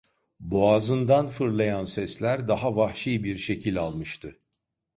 Boğazından fırlayan sesler daha vahşi bir şekil almıştı.